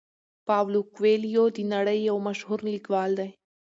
پاولو کویلیو د نړۍ یو مشهور لیکوال دی.